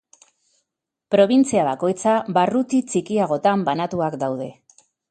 Probintzia bakoitza barruti txikiagotan banatuak daude.